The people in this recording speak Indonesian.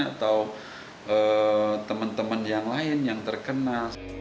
atau teman teman yang lain yang terkena